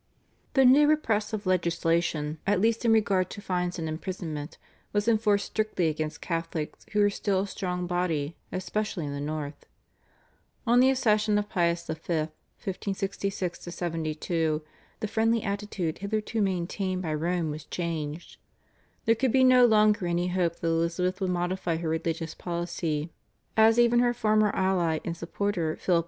The new repressive legislation, at least in regard to fines and imprisonment, was enforced strictly against Catholics who were still a strong body, especially in the north. On the accession of Pius V. (1566 72) the friendly attitude hitherto maintained by Rome was changed. There could no longer be any hope that Elizabeth would modify her religious policy, as even her former ally and supporter Philip II.